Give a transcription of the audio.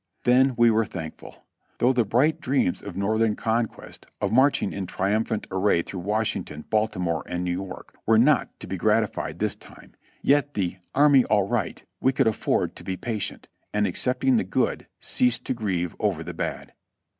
Then we were thankful. Though the bright dreams of North ern conquest, of marching in triumphant array through Wash ington, Baltimore and New York were not to be gratified this time, yet the "army all right" we could afford to be patient ; and accepting the good, ceased to grieve over the bad.